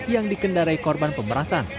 yang dikendarai korban pemerahsan